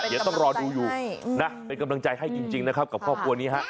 เดี๋ยวต้องรอดูอยู่นะเป็นกำลังใจให้จริงนะครับกับครอบครัวนี้ฮะ